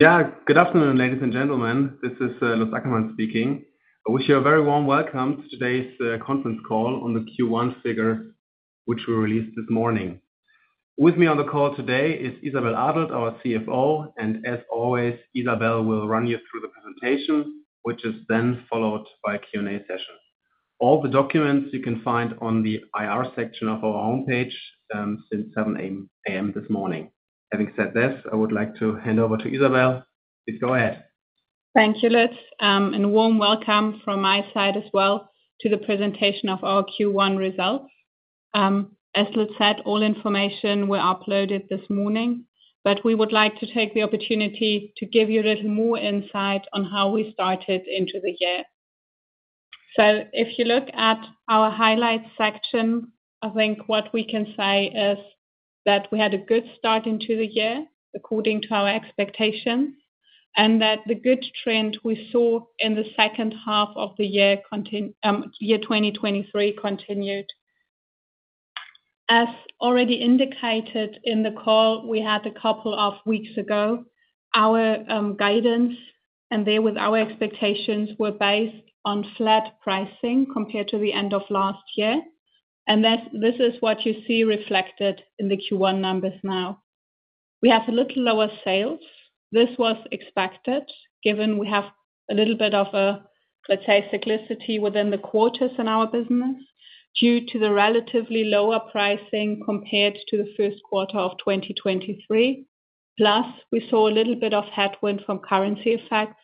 Yeah, good afternoon, ladies and gentlemen. This is Lutz Ackermann speaking. I wish you a very warm welcome to today's conference call on the Q1 figure, which we released this morning. With me on the call today is Isabelle Adelt, our CFO, and as always, Isabelle will run you through the presentation, which is then followed by a Q&A session. All the documents you can find on the IR section of our homepage since 7:00 A.M. this morning. Having said this, I would like to hand over to Isabelle. Please go ahead. Thank you, Lutz. And a warm welcome from my side as well to the presentation of our Q1 results. As Lutz said, all information were uploaded this morning, but we would like to take the opportunity to give you a little more insight on how we started into the year. So if you look at our highlight section, I think what we can say is that we had a good start into the year, according to our expectations, and that the good trend we saw in the second half of the year 2023 continued. As already indicated in the call we had a couple of weeks ago, our guidance, and there with our expectations, were based on flat pricing compared to the end of last year, and that this is what you see reflected in the Q1 numbers now. We have a little lower sales. This was expected, given we have a little bit of a, let's say, cyclicity within the quarters in our business, due to the relatively lower pricing compared to the first quarter of 2023. Plus, we saw a little bit of headwind from currency effects.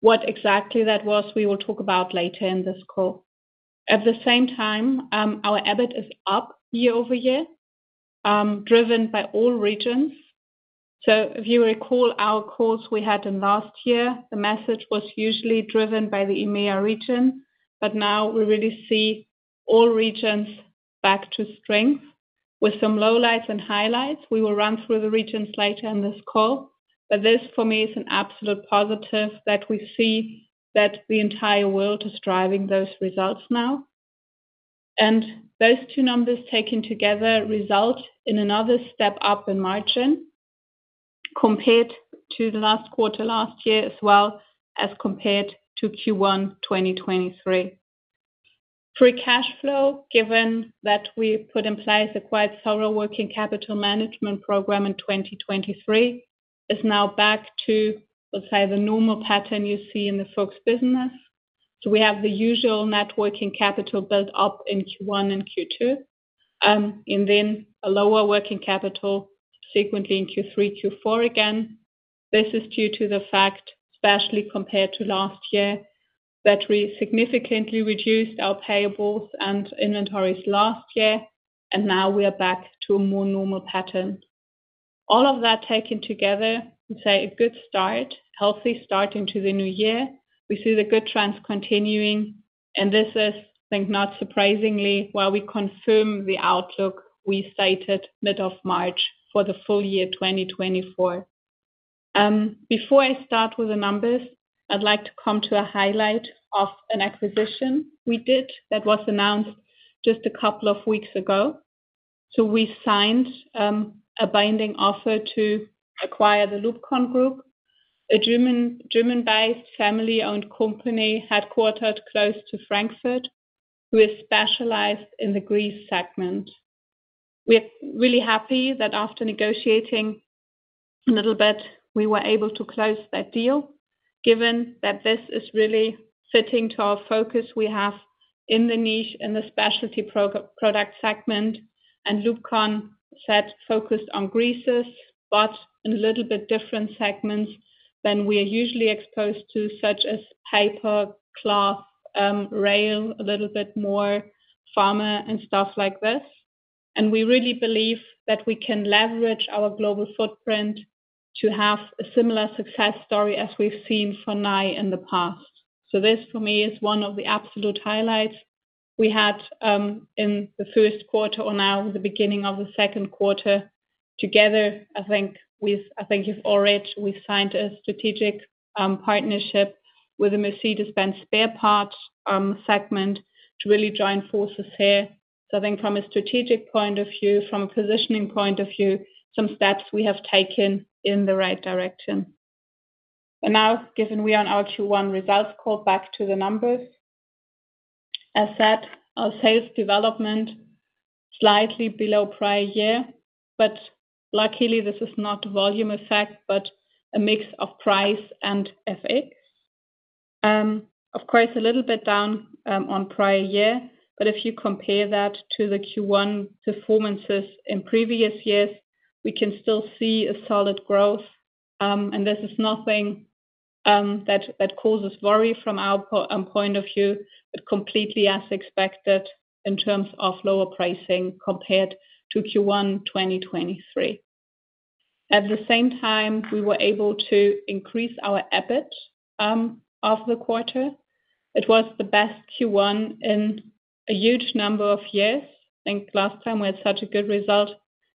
What exactly that was, we will talk about later in this call. At the same time, our EBIT is up year over year, driven by all regions. So if you recall our calls we had in last year, the message was usually driven by the EMEA region, but now we really see all regions back to strength with some low lights and highlights. We will run through the regions later in this call, but this, for me, is an absolute positive that we see that the entire world is driving those results now. Those two numbers taken together result in another step up in margin compared to the last quarter last year, as well as compared to Q1 2023. Free cash flow, given that we put in place a quite thorough working capital management program in 2023, is now back to, let's say, the normal pattern you see in the Fuchs business. So we have the usual net working capital build up in Q1 and Q2, and then a lower working capital, sequentially in Q3, Q4 again. This is due to the fact, especially compared to last year, that we significantly reduced our payables and inventories last year, and now we are back to a more normal pattern. All of that taken together, we say a good start, healthy start into the new year. We see the good trends continuing, and this is, I think, not surprisingly, while we confirm the outlook we cited mid of March for the full year 2024. Before I start with the numbers, I'd like to come to a highlight of an acquisition we did that was announced just a couple of weeks ago. So we signed a binding offer to acquire the Lubcon Group, a German, German-based, family-owned company, headquartered close to Frankfurt, who is specialized in the grease segment. We are really happy that after negotiating a little bit, we were able to close that deal, given that this is really fitting to our focus we have in the niche, in the specialty product segment, and Lubcon set focused on greases, but in a little bit different segments than we are usually exposed to, such as paper, cloth, rail, a little bit more pharma and stuff like this. And we really believe that we can leverage our global footprint to have a similar success story as we've seen for Nye in the past. So this, for me, is one of the absolute highlights we had in the first quarter or now the beginning of the second quarter. Together, I think with, I think you've already... We signed a strategic partnership with the Mercedes-Benz spare parts segment to really join forces here. So I think from a strategic point of view, from a positioning point of view, some steps we have taken in the right direction. Now, given we are on our Q1 results call, back to the numbers. As said, our sales development slightly below prior year, but luckily, this is not a volume effect, but a mix of price and FX. Of course, a little bit down, on prior year, but if you compare that to the Q1 performances in previous years, we can still see a solid growth. This is nothing that causes worry from our point of view, but completely as expected in terms of lower pricing compared to Q1 2023. At the same time, we were able to increase our EBIT of the quarter. It was the best Q1 in a huge number of years. I think last time we had such a good result,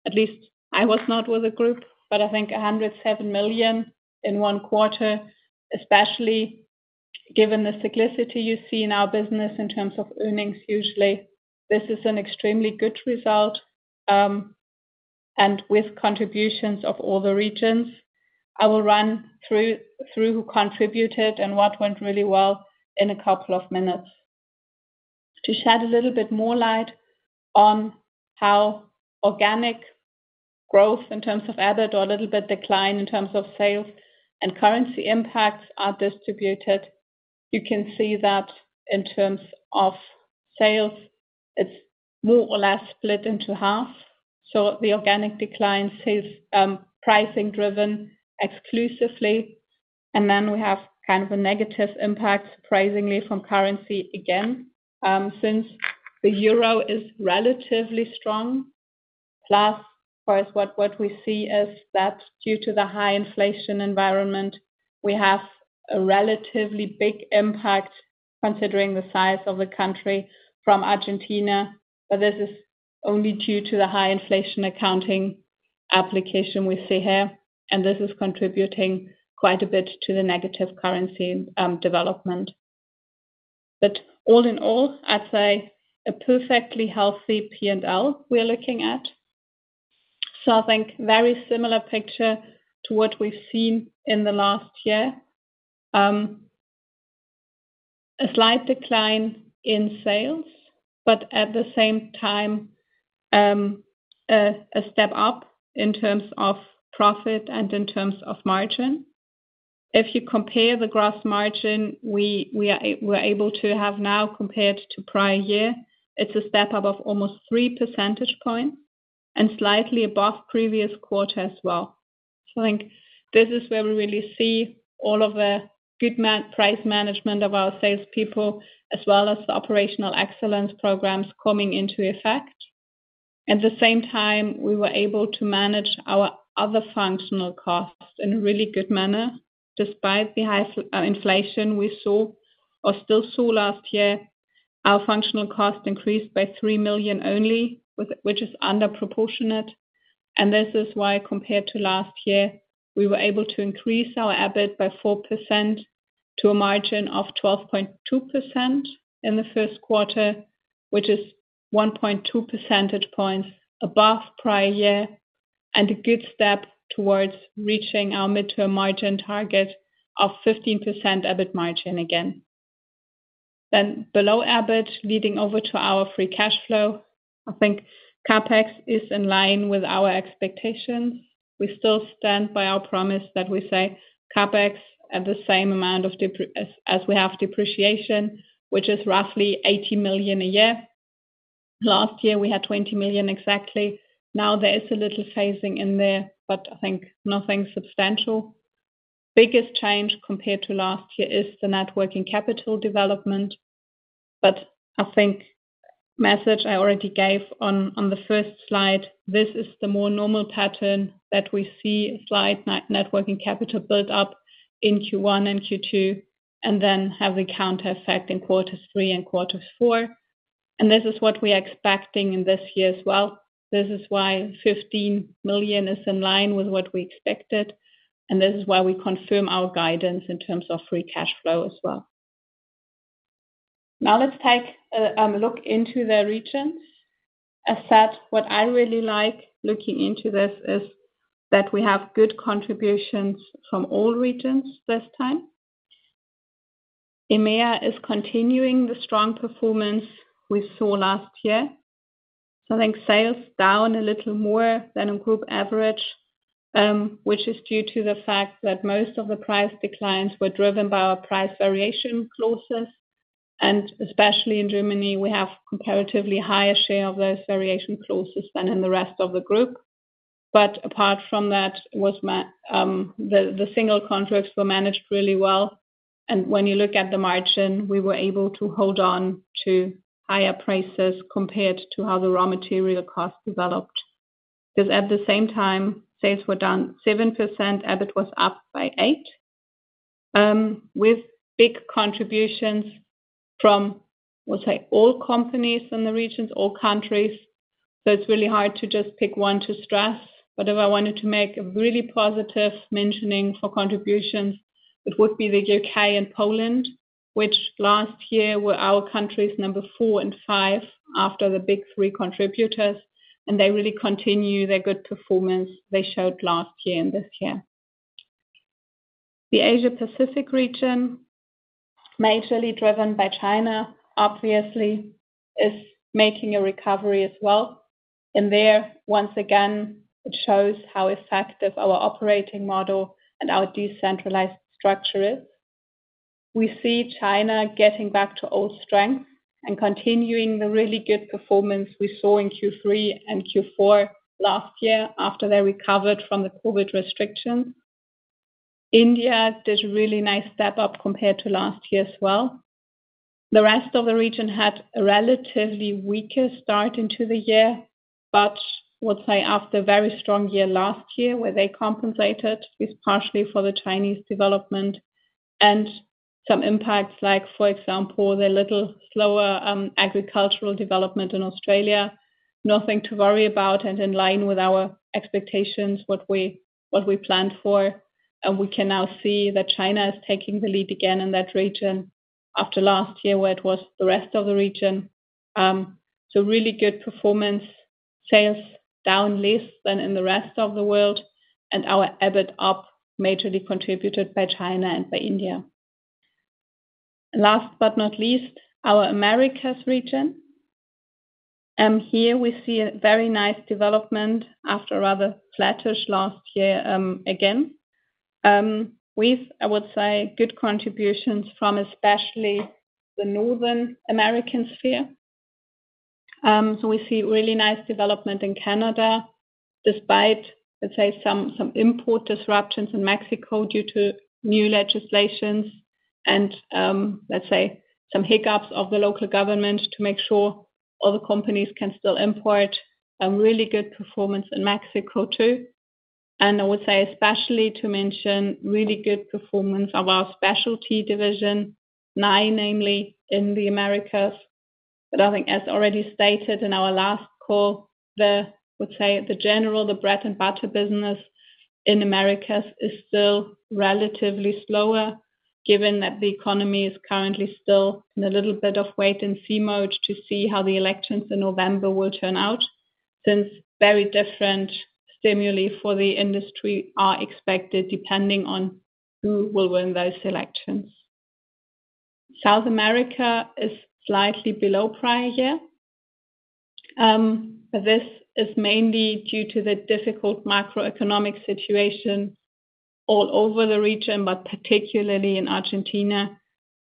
at least I was not with the group, but I think 107 million in one quarter, especially given the cyclicity you see in our business in terms of earnings, usually, this is an extremely good result, and with contributions of all the regions. I will run through who contributed and what went really well in a couple of minutes. To shed a little bit more light on how organic growth in terms of EBIT or a little bit decline in terms of sales and currency impacts are distributed, you can see that in terms of sales, it's more or less split into half. So the organic decline is, pricing driven exclusively, and then we have kind of a negative impact, surprisingly, from currency again, since the euro is relatively strong. Plus, of course, what we see is that due to the high inflation environment, we have a relatively big impact considering the size of the country from Argentina, but this is only due to the high inflation accounting application we see here, and this is contributing quite a bit to the negative currency development. But all in all, I'd say a perfectly healthy P&L we are looking at. So I think very similar picture to what we've seen in the last year. A slight decline in sales, but at the same time, a step up in terms of profit and in terms of margin. If you compare the gross margin, we were able to have now compared to prior year, it's a step up of almost 3 percentage points and slightly above previous quarter as well. So I think this is where we really see all of the good price management of our salespeople, as well as the operational excellence programs coming into effect. At the same time, we were able to manage our other functional costs in a really good manner. Despite the high inflation we saw or still saw last year, our functional cost increased by 3 million only, with which is under proportionate. And this is why, compared to last year, we were able to increase our EBIT by 4% to a margin of 12.2% in the first quarter, which is 1.2 percentage points above prior year, and a good step towards reaching our midterm margin target of 15% EBIT margin again. Then below EBIT, leading over to our free cash flow, I think CapEx is in line with our expectations. We still stand by our promise that we say CapEx at the same amount of depreciation as we have depreciation, which is roughly 80 million a year. Last year, we had 20 million exactly. Now, there is a little phasing in there, but I think nothing substantial. Biggest change compared to last year is the net working capital development. But I think message I already gave on the first slide, this is the more normal pattern that we see a slight net working capital build up in Q1 and Q2, and then have the counter effect in quarters three and quarters four. And this is what we are expecting in this year as well. This is why 15 million is in line with what we expected, and this is why we confirm our guidance in terms of free cash flow as well. Now, let's take a look into the regions. I said, what I really like looking into this is that we have good contributions from all regions this time. EMEA is continuing the strong performance we saw last year. So I think sales down a little more than a group average, which is due to the fact that most of the price declines were driven by our price variation clauses. And especially in Germany, we have comparatively higher share of those variation clauses than in the rest of the group. But apart from that, the single contracts were managed really well. And when you look at the margin, we were able to hold on to higher prices compared to how the raw material costs developed. Because at the same time, sales were down 7%, EBIT was up by 8%, with big contributions from, we'll say, all companies in the regions or countries. So it's really hard to just pick one to stress. But if I wanted to make a really positive mentioning for contributions, it would be the UK and Poland, which last year were our countries number 4 and 5 after the big three contributors, and they really continue their good performance they showed last year and this year. The Asia Pacific region, majorly driven by China, obviously, is making a recovery as well. And there, once again, it shows how effective our operating model and our decentralized structure is. We see China getting back to old strength and continuing the really good performance we saw in Q3 and Q4 last year after they recovered from the COVID restriction. India did a really nice step up compared to last year as well. The rest of the region had a relatively weaker start into the year, but we'll say after a very strong year last year, where they compensated with partially for the Chinese development and some impacts, like, for example, the little slower agricultural development in Australia... nothing to worry about, and in line with our expectations, what we, what we planned for. And we can now see that China is taking the lead again in that region after last year, where it was the rest of the region. So really good performance. Sales down less than in the rest of the world, and our EBIT up, majorly contributed by China and by India. Last but not least, our Americas region. Here we see a very nice development after a rather flattish last year, again. With, I would say, good contributions from especially the North American sphere. So we see really nice development in Canada, despite, let's say, some import disruptions in Mexico due to new legislations and, let's say, some hiccups of the local government to make sure all the companies can still import. A really good performance in Mexico, too. And I would say, especially to mention, really good performance of our specialty division, namely, in the Americas. But I think as already stated in our last call, the, I would say, the general, the bread and butter business in Americas is still relatively slower, given that the economy is currently still in a little bit of wait and see mode to see how the elections in November will turn out, since very different stimuli for the industry are expected, depending on who will win those elections. South America is slightly below prior year. This is mainly due to the difficult macroeconomic situation all over the region, but particularly in Argentina.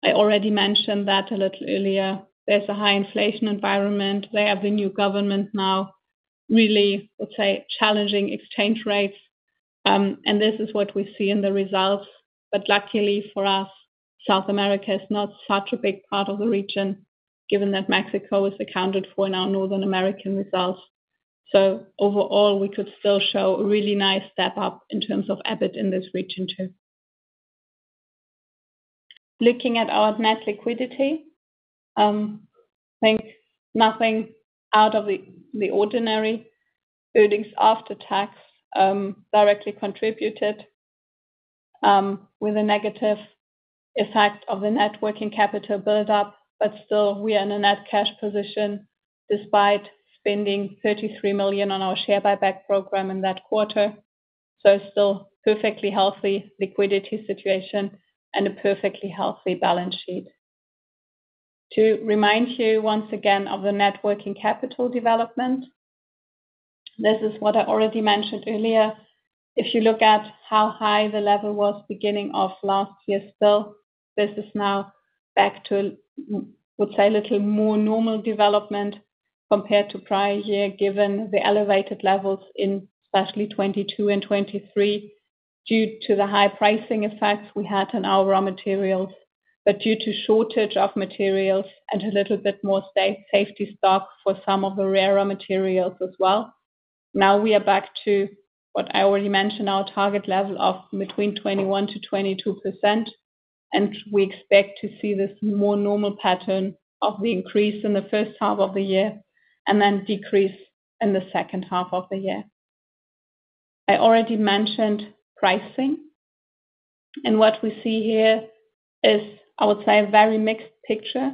I already mentioned that a little earlier. There's a high inflation environment. They have the new government now, really, let's say, challenging exchange rates. And this is what we see in the results. But luckily for us, South America is not such a big part of the region, given that Mexico is accounted for in our Northern American results. So overall, we could still show a really nice step up in terms of EBIT in this region, too. Looking at our net liquidity, I think nothing out of the, the ordinary. Earnings after tax directly contributed with a negative effect of the net working capital build-up, but still, we are in a net cash position, despite spending 33 million on our share buyback program in that quarter. So still perfectly healthy liquidity situation and a perfectly healthy balance sheet. To remind you once again of the net working capital development, this is what I already mentioned earlier. If you look at how high the level was beginning of last year, still, this is now back to, would say, a little more normal development compared to prior year, given the elevated levels in especially 2022 and 2023, due to the high pricing effects we had on our raw materials, but due to shortage of materials and a little bit more safety stock for some of the rarer materials as well. Now we are back to what I already mentioned, our target level of between 21%-22%, and we expect to see this more normal pattern of the increase in the first half of the year, and then decrease in the second half of the year. I already mentioned pricing, and what we see here is, I would say, a very mixed picture.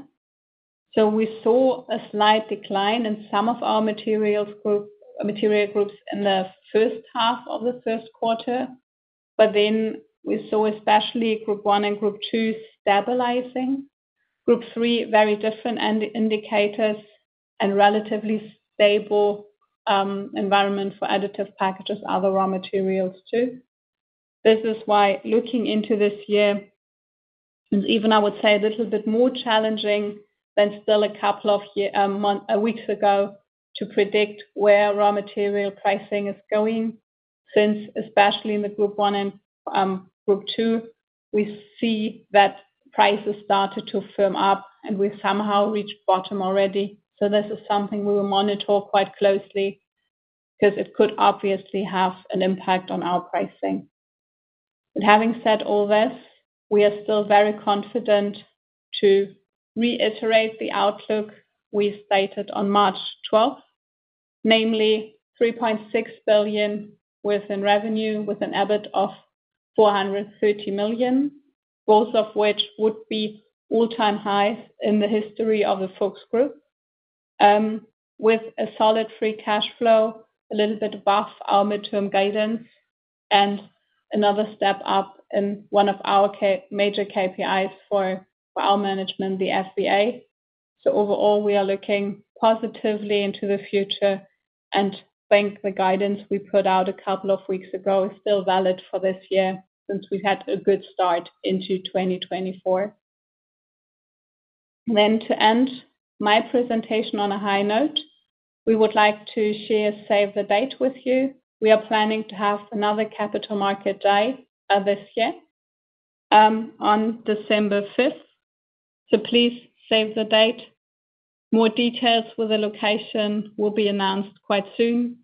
So we saw a slight decline in some of our material groups in the first half of the first quarter, but then we saw, especially Group I and Group II, stabilizing. Group III, very different end indicators and relatively stable environment for additive packages, other raw materials, too. This is why looking into this year, and even I would say a little bit more challenging than still a couple of year, month, weeks ago, to predict where raw material pricing is going, since especially in the Group I and Group II, we see that prices started to firm up and we've somehow reached bottom already. So this is something we will monitor quite closely, because it could obviously have an impact on our pricing. But having said all this, we are still very confident to reiterate the outlook we stated on March 12th, namely 3.6 billion within revenue, with an EBIT of 430 million, both of which would be all-time high in the history of the Fuchs Group. With a solid free cash flow, a little bit above our midterm guidance, and another step up in one of our major KPIs for our management, the FVA. So overall, we are looking positively into the future and think the guidance we put out a couple of weeks ago is still valid for this year, since we've had a good start into 2024. Then to end my presentation on a high note, we would like to share save the date with you. We are planning to have another capital market day this year on December 5th. So please save the date. More details with the location will be announced quite soon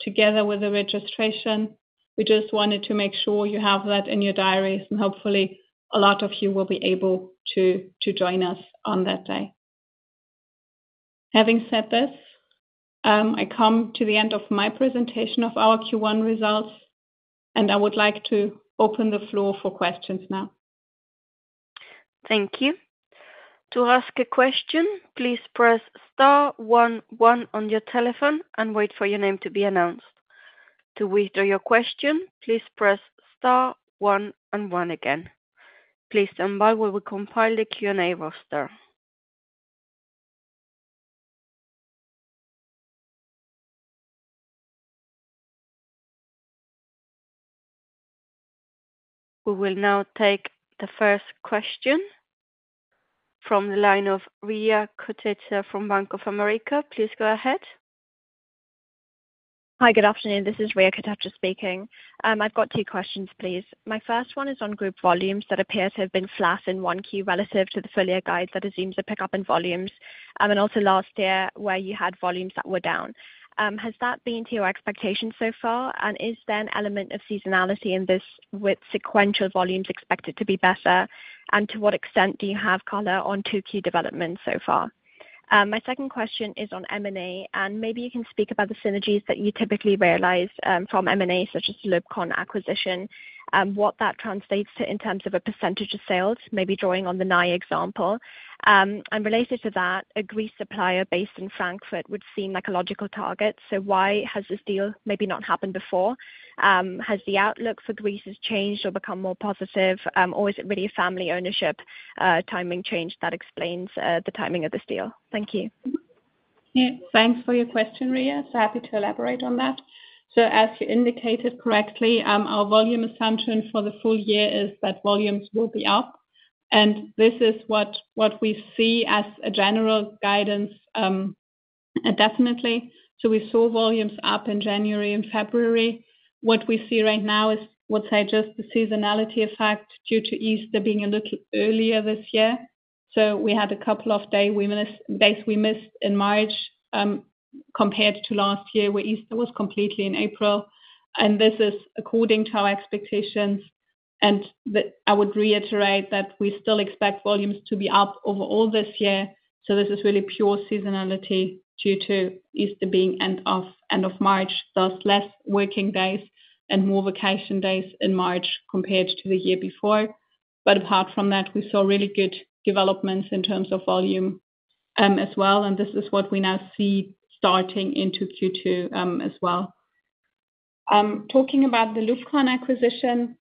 together with the registration. We just wanted to make sure you have that in your diaries, and hopefully a lot of you will be able to join us on that day. Having said this, I come to the end of my presentation of our Q1 results, and I would like to open the floor for questions now. Thank you. To ask a question, please press star one one on your telephone and wait for your name to be announced. To withdraw your question, please press star one and one again. Please stand by while we compile the Q&A roster. We will now take the first question from the line of Riya Kotecha from Bank of America. Please go ahead. Hi, good afternoon. This is Riya Kotecha speaking. I've got two questions, please. My first one is on group volumes that appear to have been flat in 1Q, relative to the full year guide that assumes a pickup in volumes, and also last year where you had volumes that were down. Has that been to your expectations so far? And is there an element of seasonality in this, with sequential volumes expected to be better? And to what extent do you have color on two key developments so far? My second question is on M&A, and maybe you can speak about the synergies that you typically realize from M&A, such as Lubcon acquisition, what that translates to in terms of a percentage of sales, maybe drawing on the Nye example. Related to that, a grease supplier based in Frankfurt would seem like a logical target, so why has this deal maybe not happened before? Has the outlook for greases changed or become more positive, or is it really a family ownership, timing change that explains the timing of this deal? Thank you. Yeah, thanks for your question, Riya. So happy to elaborate on that. So as you indicated correctly, our volume assumption for the full year is that volumes will be up, and this is what we see as a general guidance, definitely. So we saw volumes up in January and February. What we see right now is the seasonality effect, due to Easter being a little earlier this year. So we had a couple of days we missed in March, compared to last year, where Easter was completely in April. And this is according to our expectations. I would reiterate that we still expect volumes to be up overall this year, so this is really pure seasonality due to Easter being end of March, thus less working days and more vacation days in March compared to the year before. But apart from that, we saw really good developments in terms of volume, as well, and this is what we now see starting into Q2, as well. Talking about the Lubcon acquisition,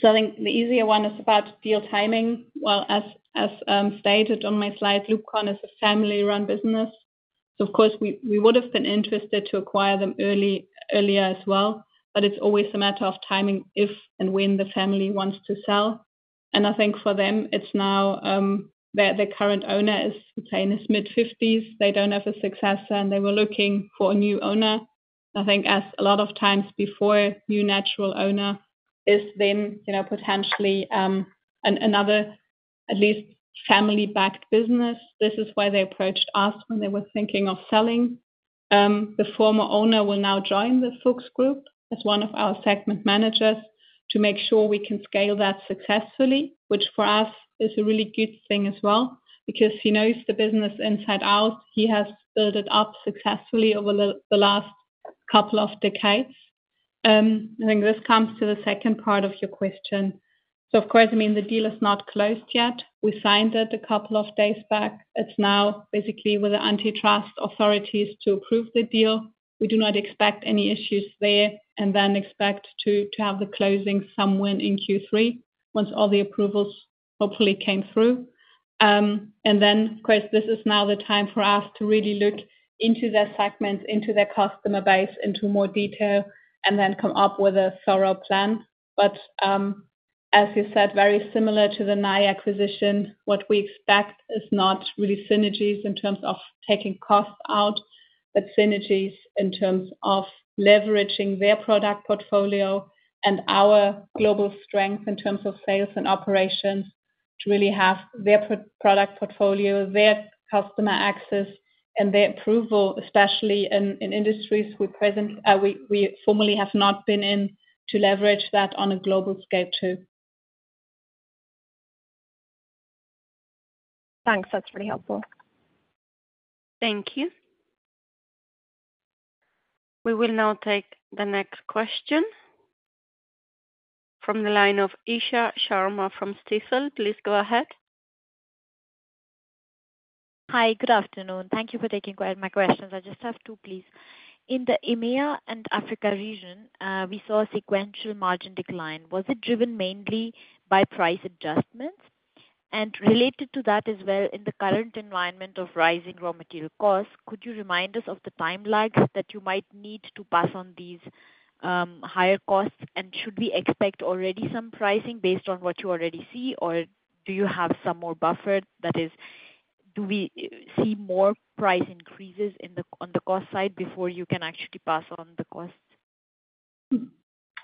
so I think the easier one is about deal timing. Well, as, as, stated on my slide, Lubcon is a family-run business, so of course, we, we would have been interested to acquire them early, earlier as well, but it's always a matter of timing, if and when the family wants to sell. I think for them, it's now the current owner is saying he's mid-50s. They don't have a successor, and they were looking for a new owner. I think as a lot of times before, new natural owner is then, you know, potentially another, at least family-backed business. This is why they approached us when they were thinking of selling. The former owner will now join the Fuchs Group as one of our segment managers, to make sure we can scale that successfully, which for us is a really good thing as well, because he knows the business inside out. He has built it up successfully over the last couple of decades. I think this comes to the second part of your question. So of course, I mean, the deal is not closed yet. We signed it a couple of days back. It's now basically with the antitrust authorities to approve the deal. We do not expect any issues there, and then expect to have the closing somewhere in Q3, once all the approvals hopefully came through. And then, of course, this is now the time for us to really look into their segments, into their customer base, into more detail, and then come up with a thorough plan. But, as you said, very similar to the Nye acquisition, what we expect is not really synergies in terms of taking costs out, but synergies in terms of leveraging their product portfolio and our global strength in terms of sales and operations, to really have their product portfolio, their customer access and their approval, especially in industries we present, we formerly have not been in, to leverage that on a global scale, too. Thanks. That's really helpful. Thank you. We will now take the next question from the line of Isha Sharma from Stifel. Please go ahead. Hi, good afternoon. Thank you for taking my questions. I just have two, please. In the EMEA and Africa region, we saw a sequential margin decline. Was it driven mainly by price adjustments? And related to that as well, in the current environment of rising raw material costs, could you remind us of the time lags that you might need to pass on these, higher costs? And should we expect already some pricing based on what you already see, or do you have some more buffer? That is, do we see more price increases on the cost side before you can actually pass on the costs?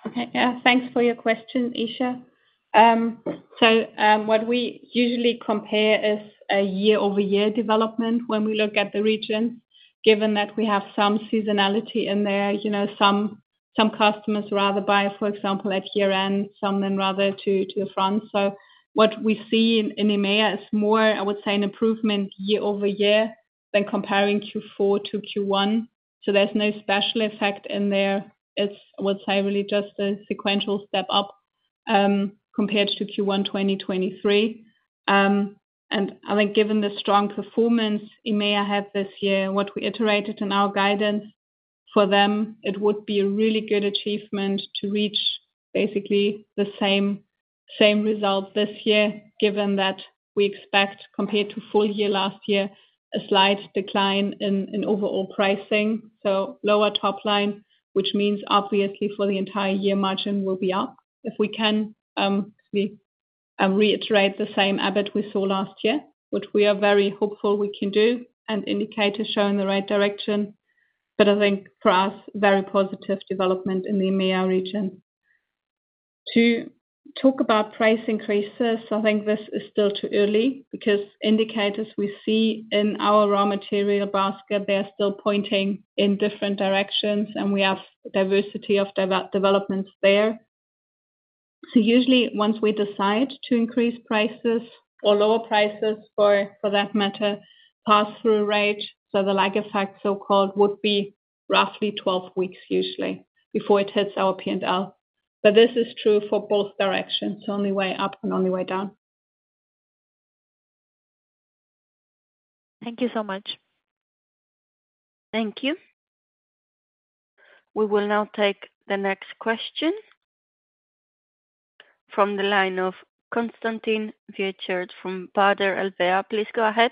Okay, thanks for your question, Isha. So, what we usually compare is a year-over-year development when we look at the region, given that we have some seasonality in there. You know, some customers rather buy, for example, at year-end, some then rather to the front. So what we see in EMEA is more, I would say, an improvement year-over-year than comparing Q4 to Q1. So there's no special effect in there. It's, I would say, really just a sequential step up compared to Q1 2023. And I think given the strong performance EMEA had this year, what we iterated in our guidance for them, it would be a really good achievement to reach basically the same result this year, given that we expect, compared to full year last year, a slight decline in overall pricing. So lower top line, which means obviously for the entire year, margin will be up. If we can, we, reiterate the same EBIT we saw last year, which we are very hopeful we can do, and indicators show in the right direction. But I think for us, very positive development in the EMEA region. To talk about price increases, I think this is still too early because indicators we see in our raw material basket, they are still pointing in different directions, and we have diversity of developments there. So usually once we decide to increase prices or lower prices, for that matter, pass-through rate, so the lag effect, so-called, would be roughly 12 weeks usually before it hits our P&L. But this is true for both directions, only way up and only way down. Thank you so much. Thank you. We will now take the next question from the line of Konstantin Wiechert from Baader Helvea. Please go ahead.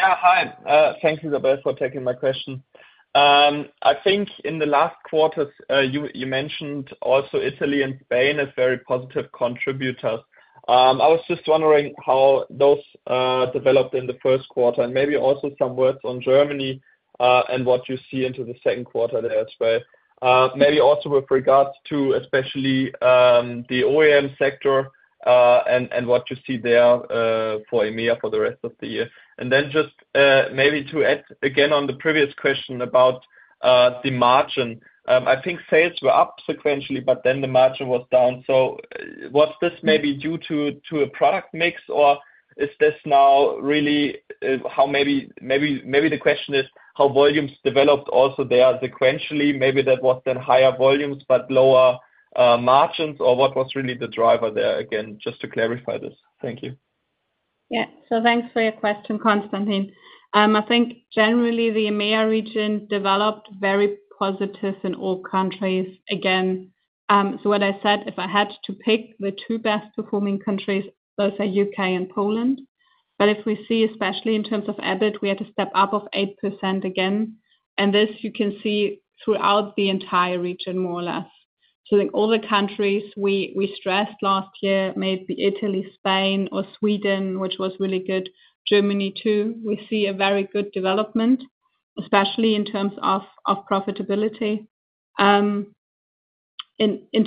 Yeah, hi. Thanks, Isabelle, for taking my question. I think in the last quarters, you mentioned also Italy and Spain as very positive contributors. I was just wondering how those developed in the first quarter, and maybe also some words on Germany, and what you see into the second quarter there as well. Maybe also with regards to especially the OEM sector, and what you see there for EMEA for the rest of the year. And then just maybe to add again on the previous question about the margin. I think sales were up sequentially, but then the margin was down. So was this maybe due to a product mix, or is this now really how maybe the question is how volumes developed also there sequentially? Maybe that was then higher volumes but lower margins, or what was really the driver there? Again, just to clarify this. Thank you. Yeah. So thanks for your question, Konstantin. I think generally the EMEA region developed very positive in all countries again. So what I said, if I had to pick the two best performing countries, those are U.K. and Poland. But if we see, especially in terms of EBIT, we had a step up of 8% again, and this you can see throughout the entire region, more or less. So in all the countries we stressed last year, maybe Italy, Spain or Sweden, which was really good, Germany too, we see a very good development, especially in terms of profitability. In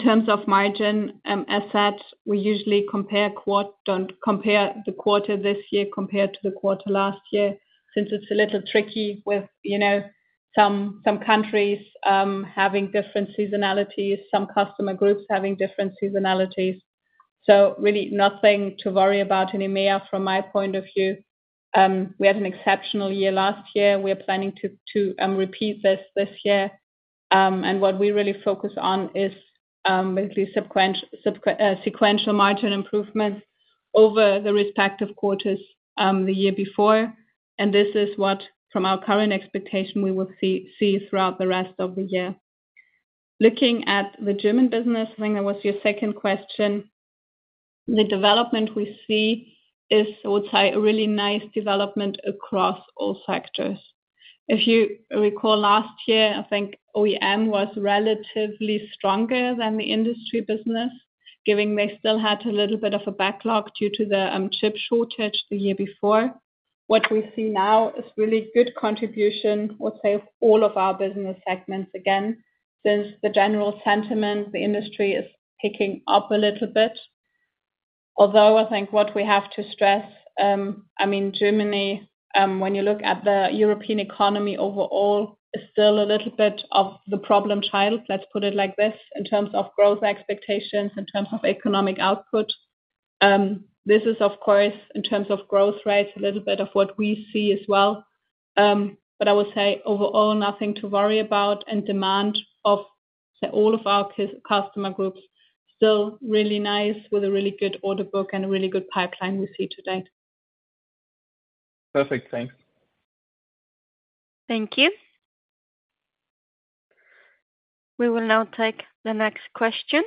terms of margin, as said, we usually compare quarter—don't compare the quarter this year compared to the quarter last year, since it's a little tricky with, you know, some countries having different seasonalities, some customer groups having different seasonalities. So really nothing to worry about in EMEA from my point of view. We had an exceptional year last year. We are planning to repeat this year. And what we really focus on is basically sequential margin improvements over the respective quarters the year before. And this is what, from our current expectation, we will see throughout the rest of the year. Looking at the German business, I think that was your second question. The development we see is, I would say, a really nice development across all sectors. If you recall, last year, I think OEM was relatively stronger than the industry business, giving they still had a little bit of a backlog due to the chip shortage the year before. What we see now is really good contribution, I would say, all of our business segments, again, since the general sentiment, the industry is picking up a little bit. Although I think what we have to stress, I mean, Germany, when you look at the European economy overall, is still a little bit of the problem child. Let's put it like this, in terms of growth expectations, in terms of economic output. This is, of course, in terms of growth rates, a little bit of what we see as well. But I would say overall, nothing to worry about and demand of all of our customer groups, still really nice with a really good order book and a really good pipeline we see today. Perfect. Thanks. Thank you. We will now take the next question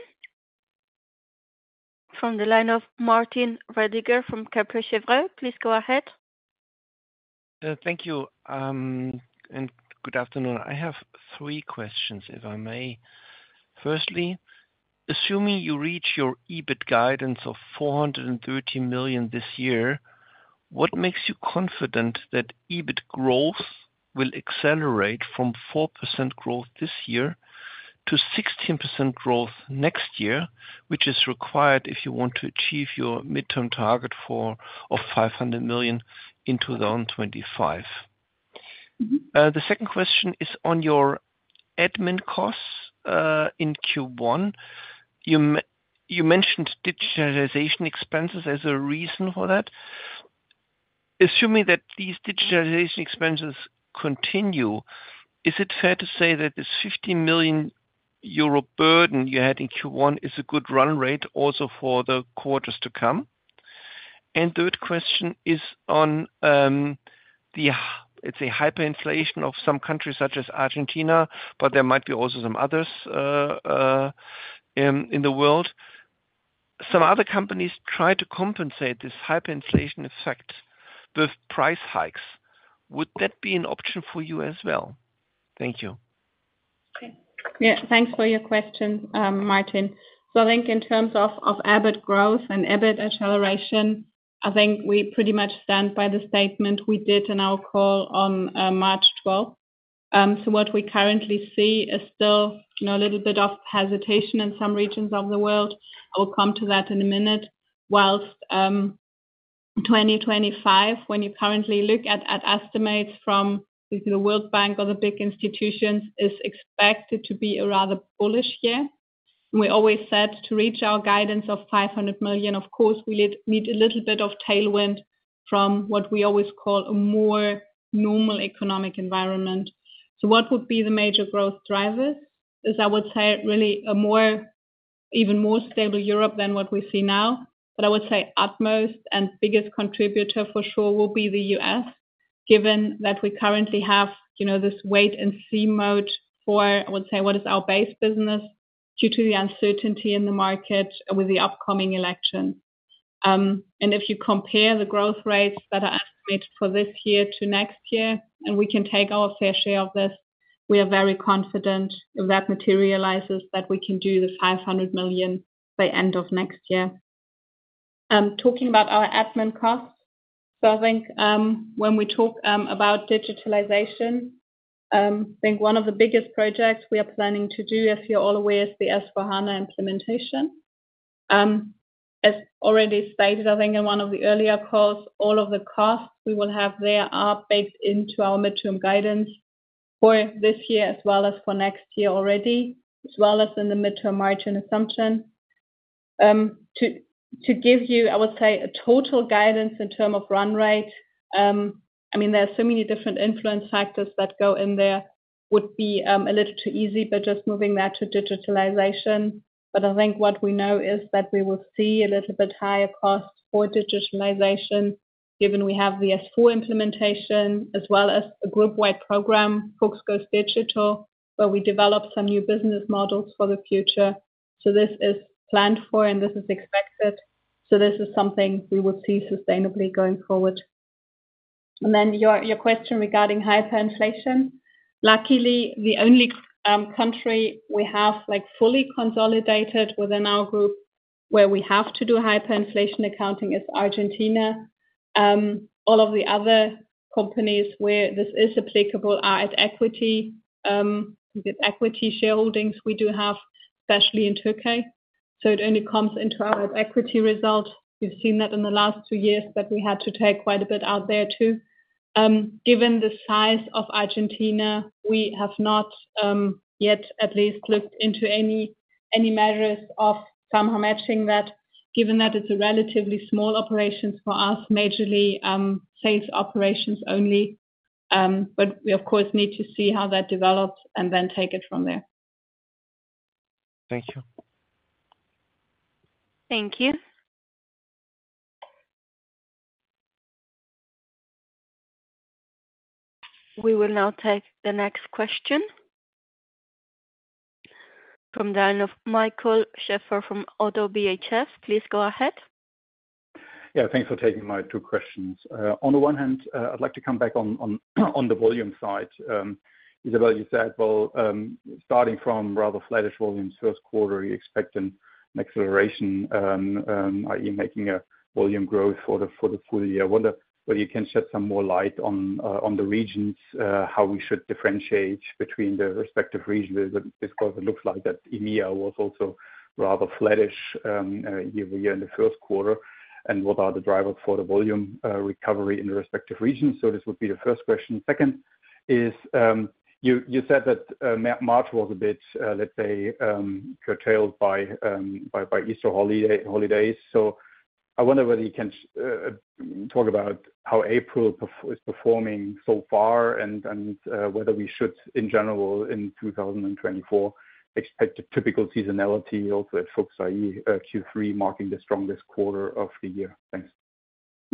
from the line of Martin Roediger from Kepler Cheuvreux. Please go ahead. Thank you, and good afternoon. I have three questions, if I may. Firstly, assuming you reach your EBIT guidance of 430 million this year, what makes you confident that EBIT growth will accelerate from 4% growth this year to 16% growth next year, which is required if you want to achieve your midterm target for, of 500 million into the round 2025? The second question is on your admin costs in Q1. You mentioned digitalization expenses as a reason for that. Assuming that these digitalization expenses continue, is it fair to say that this 50 million euro burden you had in Q1 is a good run rate also for the quarters to come? Third question is on the hyperinflation of some countries such as Argentina, but there might be also some others in the world. Some other companies try to compensate this hyperinflation effect with price hikes. Would that be an option for you as well? Thank you. Okay. Yeah, thanks for your question, Martin. So I think in terms of of EBIT growth and EBIT acceleration, I think we pretty much stand by the statement we did in our call on March 12. So what we currently see is still, you know, a little bit of hesitation in some regions of the world. I will come to that in a minute. While 2025, when you currently look at estimates from the World Bank or the big institutions, is expected to be a rather bullish year. We always said to reach our guidance of 500 million, of course, we need a little bit of tailwind from what we always call a more normal economic environment. So what would be the major growth drivers? Is I would say really a more, even more stable Europe than what we see now. But I would say utmost and biggest contributor for sure will be the U.S., given that we currently have, you know, this wait and see mode for, I would say, what is our base business, due to the uncertainty in the market with the upcoming election. And if you compare the growth rates that are estimated for this year to next year, and we can take our fair share of this, we are very confident if that materializes, that we can do the 500 million by end of next year. Talking about our admin costs, so I think, when we talk about digitalization, I think one of the biggest projects we are planning to do, as you're all aware, is the S/4HANA implementation. As already stated, I think in one of the earlier calls, all of the costs we will have there are baked into our midterm guidance for this year as well as for next year already, as well as in the midterm margin assumption. To give you, I would say, a total guidance in terms of run rate, I mean, there are so many different influence factors that go in there. Would be a little too easy, but just moving that to digitalization. But I think what we know is that we will see a little bit higher costs for digitalization, given we have the S/4 implementation, as well as a group-wide program, Fuchs Goes Digital, where we develop some new business models for the future. So this is planned for and this is expected, so this is something we will see sustainably going forward. And then your, your question regarding hyperinflation. Luckily, the only country we have, like, fully consolidated within our group where we have to do hyperinflation accounting is Argentina. All of the other companies where this is applicable are at equity, with equity shareholdings we do have, especially in Turkey. So it only comes into our equity result. We've seen that in the last two years, that we had to take quite a bit out there, too. Given the size of Argentina, we have not yet at least looked into any, any matters of somehow matching that, given that it's a relatively small operations for us, majorly sales operations only. But we of course need to see how that develops and then take it from there. Thank you. Thank you. We will now take the next question. From the line of Michael Schaefer from Oddo BHF. Please go ahead. Yeah, thanks for taking my two questions. On the one hand, I'd like to come back on the volume side. Isabelle, you said, well, starting from rather flattish volumes first quarter, you expect an acceleration. Are you making a volume growth for the full year? I wonder whether you can shed some more light on the regions, how we should differentiate between the respective regions? Because it looks like that EMEA was also rather flattish year-on-year in the first quarter. And what are the drivers for the volume recovery in the respective regions? So this would be the first question. Second is, you said that March was a bit, let's say, curtailed by Easter holidays. So I wonder whether you can talk about how April performance is performing so far, and whether we should, in general, in 2024, expect a typical seasonality also at Fuchs, i.e., Q3 marking the strongest quarter of the year? Thanks.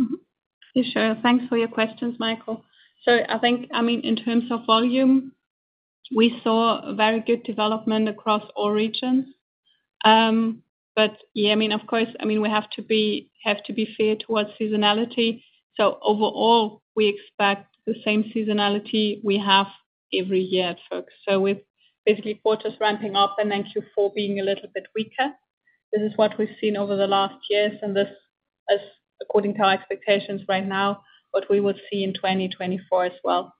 Mm-hmm. Sure. Thanks for your questions, Michael. So I think, I mean, in terms of volume, we saw a very good development across all regions. But yeah, I mean, of course, I mean, we have to be, have to be fair towards seasonality. So overall, we expect the same seasonality we have every year at Fuchs. So with basically quarters ramping up and then Q4 being a little bit weaker. This is what we've seen over the last years, and this is according to our expectations right now, what we would see in 2024 as well.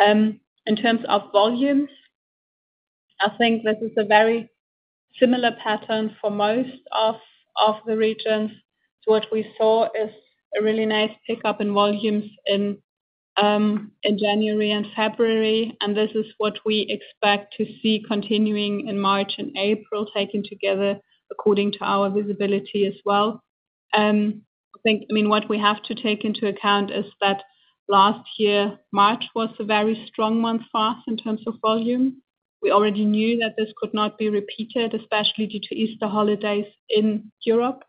In terms of volumes, I think this is a very similar pattern for most of, of the regions. So what we saw is a really nice pickup in volumes in January and February, and this is what we expect to see continuing in March and April, taken together, according to our visibility as well. I think, I mean, what we have to take into account is that last year, March was a very strong month for us in terms of volume. We already knew that this could not be repeated, especially due to Easter holidays in Europe,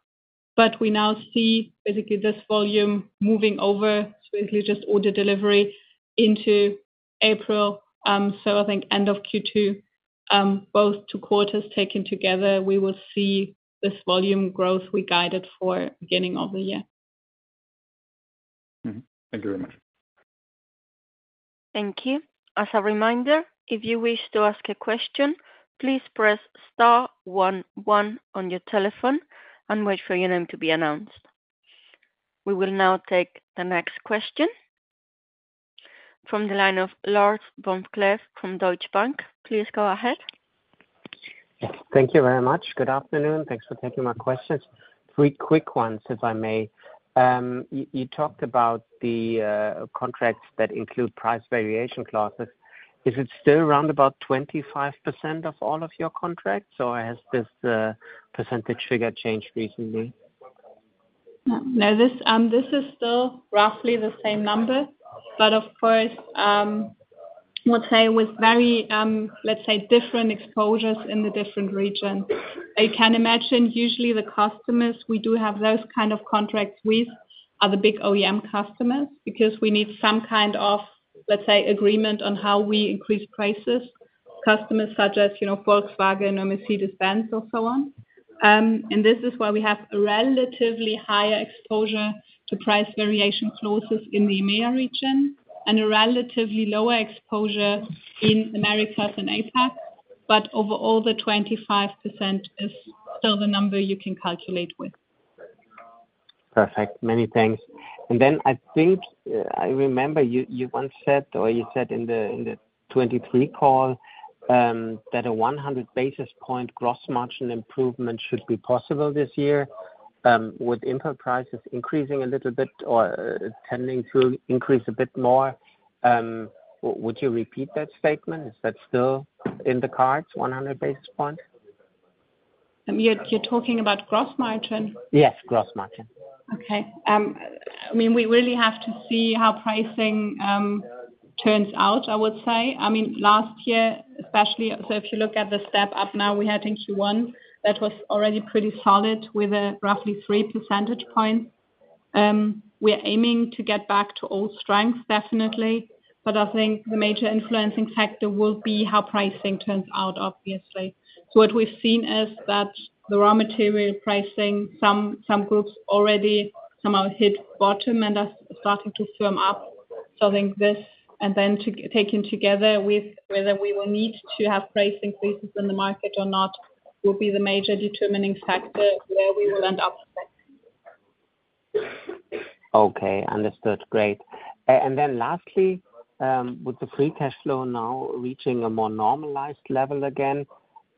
but we now see basically this volume moving over, so if you just order delivery into April. So I think end of Q2, both two quarters taken together, we will see this volume growth we guided for beginning of the year. Mm-hmm. Thank you very much. Thank you. As a reminder, if you wish to ask a question, please press star one one on your telephone and wait for your name to be announced. We will now take the next question from the line of Lars vom Cleff from Deutsche Bank. Please go ahead. Yes. Thank you very much. Good afternoon. Thanks for taking my questions. Three quick ones, if I may. You talked about the contracts that include price variation clauses. Is it still around about 25% of all of your contracts, or has this percentage figure changed recently? No, no, this, this is still roughly the same number, but of course, I would say with very, let's say, different exposures in the different regions. I can imagine usually the customers, we do have those kind of contracts with, are the big OEM customers, because we need some kind of, let's say, agreement on how we increase prices. Customers such as, you know, Volkswagen or Mercedes-Benz or so on. And this is why we have a relatively higher exposure to price variation clauses in the EMEA region and a relatively lower exposure in Americas and APAC, but overall, the 25% is still the number you can calculate with. Perfect. Many thanks. And then I think, I remember you, you once said, or you said in the 2023 call, that a 100 basis point gross margin improvement should be possible this year, with input prices increasing a little bit or tending to increase a bit more. Would you repeat that statement? Is that still in the cards, 100 basis points? You're talking about gross margin? Yes, gross margin. Okay. I mean, we really have to see how pricing turns out, I would say. I mean, last year, especially, so if you look at the step up now, we had in Q1, that was already pretty solid with a roughly 3 percentage point. We are aiming to get back to old strengths, definitely, but I think the major influencing factor will be how pricing turns out, obviously. So what we've seen is that the raw material pricing, some, some groups already somehow hit bottom and are starting to firm up. So I think this, and then to taken together with whether we will need to have pricing increases in the market or not, will be the major determining factor where we will end up. Okay, understood. Great. And then lastly, with the free cash flow now reaching a more normalized level again,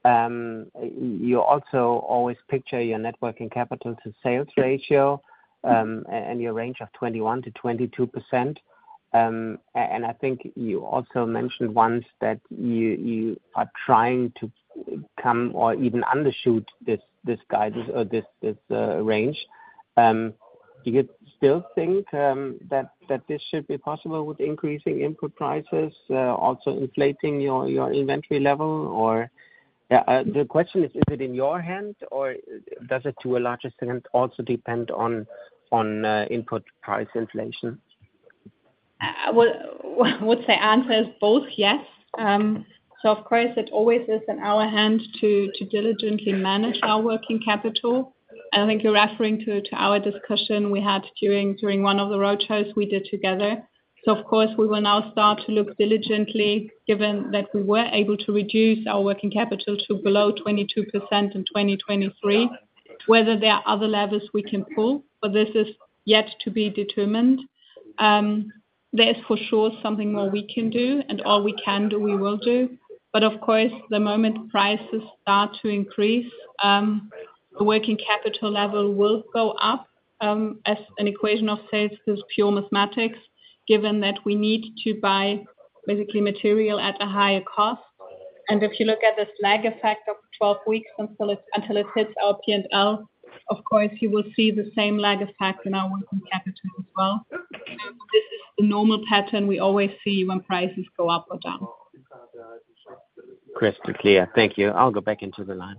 you also always picture your net working capital to sales ratio, and I think you also mentioned once that you are trying to come or even undershoot this guidance or this range. Do you still think that this should be possible with increasing input prices also inflating your inventory level? Or the question is, is it in your hand, or does it to a larger extent also depend on input price inflation? Well, I would say answer is both yes. So of course, it always is in our hands to diligently manage our working capital. I think you're referring to our discussion we had during one of the roadshows we did together. So of course, we will now start to look diligently, given that we were able to reduce our working capital to below 22% in 2023, whether there are other levers we can pull, but this is yet to be determined. There's for sure something more we can do, and all we can do, we will do. But of course, the moment prices start to increase, the working capital level will go up, as an equation of sales is pure mathematics, given that we need to buy basically material at a higher cost. If you look at this lag effect of 12 weeks until it hits our P&L, of course, you will see the same lag effect in our working capital as well. This is the normal pattern we always see when prices go up or down. Crystal clear. Thank you. I'll go back into the line.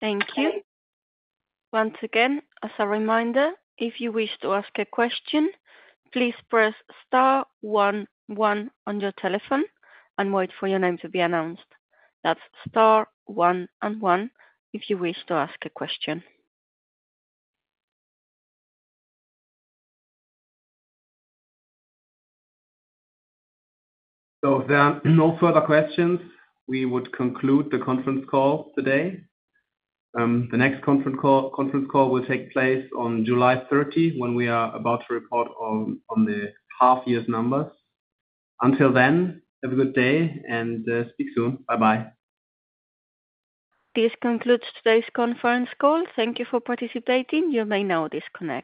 Thank you. Once again, as a reminder, if you wish to ask a question, please press star one one on your telephone and wait for your name to be announced. That's star one and one if you wish to ask a question. So if there are no further questions, we would conclude the conference call today. The next conference call will take place on July 30, when we are about to report on the half year's numbers. Until then, have a good day and speak soon. Bye-bye. This concludes today's conference call. Thank you for participating. You may now disconnect.